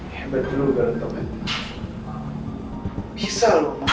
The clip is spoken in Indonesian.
ya betul lo garo tomet